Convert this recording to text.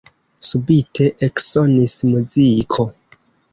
Subite eksonis muziko!